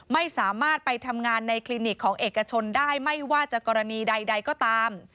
ไม่สามารถไปทำงานในคลินิกของเอกชนได้ไม่ว่าจะกรณีใดก็ตาม